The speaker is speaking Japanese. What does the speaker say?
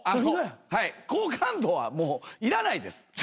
好感度はもういらないです。